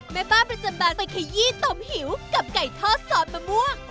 แม่บ้านประจำบานไปขยี้ตมหิวกับไก่ทอดซอสมะม่วง